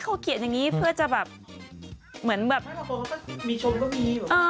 เขาเคลียร์อย่างงี้เพื่อจะแบบเหมือนแบบไม่บางคนก็มีชมก็มี